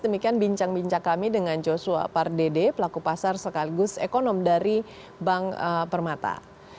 demikian bincang bincang kami dengan joshua pardede pelaku pasar sekaligus ekonom dari bank permata